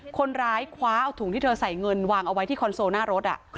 คนร้ายคว้าเอาถุงที่เธอใส่เงินวางเอาไว้ที่คอนโซลหน้ารถ